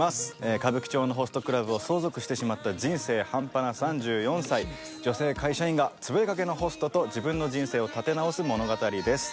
歌舞伎町のホストクラブを相続してしまった人生半端な３４歳女性会社員が潰れかけのホストと自分の人生を立て直す物語です。